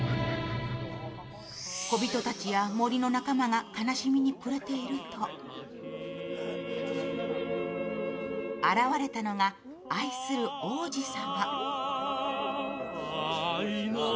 こびとたちや森の仲間が悲しみにくれていると現れたのが、愛する王子様。